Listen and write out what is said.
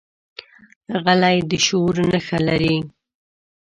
غلی، د شعور نښه لري.